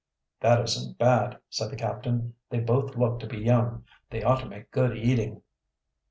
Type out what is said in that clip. "That isn't bad," said the captain. "They both look to be young. They ought to make good eating."